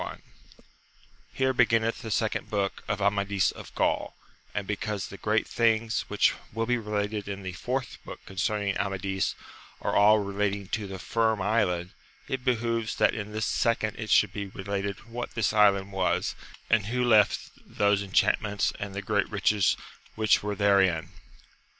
I.— Here beginneth the Second Book of Amadis of Gaol; and because the great things which will be related in the Fourth Book concerning Amadis are all relating to the Finn Island, it behoves that in this second it should be related what this island was, and who left those enchantments and the great riches which were therein.